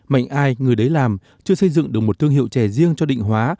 mạnh ai người đấy làm chưa xây dựng được một thương hiệu chè riêng cho định hóa